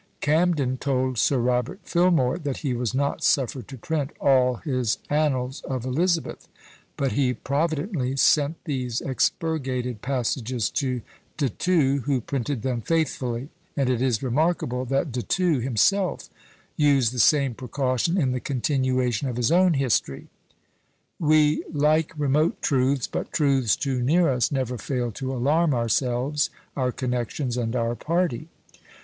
Camden told Sir Robert Filmore that he was not suffered to print all his annals of Elizabeth; but he providently sent these expurgated passages to De Thou, who printed them faithfully; and it is remarkable that De Thou himself used the same precaution in the continuation of his own history. We like remote truths, but truths too near us never fail to alarm ourselves, our connexions, and our party.